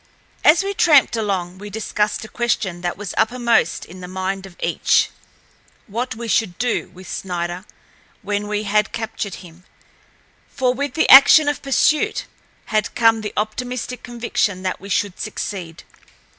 As we tramped along, we discussed a question that was uppermost in the mind of each—what we should do with Snider when we had captured him, for with the action of pursuit had come the optimistic conviction that we should succeed.